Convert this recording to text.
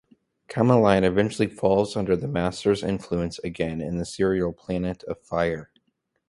Kamelion eventually falls under the Master's influence again in the serial "Planet of Fire".